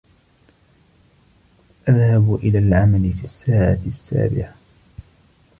أذهب إلي العمل في الساعة السابعة.